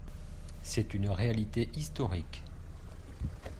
C’est une réalité historique